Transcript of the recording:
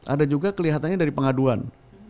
ada juga kelihatannya dari pengaduan